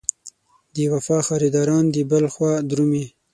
د وفا خریداران دې بل خوا درومي.